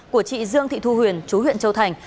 của chị dương thị thu huyền chú huyện châu thành